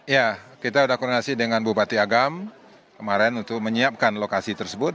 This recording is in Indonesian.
ya kita sudah koordinasi dengan bupati agam kemarin untuk menyiapkan lokasi tersebut